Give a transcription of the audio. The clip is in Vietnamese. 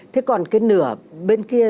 thế còn cái nửa bên kia